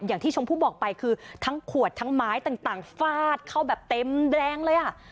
ชมพู่บอกไปคือทั้งขวดทั้งไม้ต่างฟาดเข้าแบบเต็มแรงเลยอ่ะ